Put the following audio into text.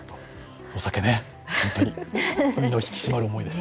お酒ね、本当に、身の引き締まる思いです。